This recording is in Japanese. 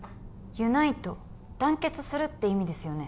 ｕｎｉｔｅ団結するって意味ですよね？